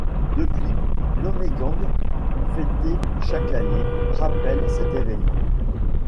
Depuis, l'Ommegang fêtée chaque année rappelle cet événement.